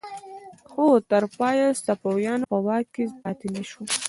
خو تر پایه صفویانو په واک کې پاتې نشوې.